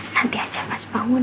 nanti aja pas bangun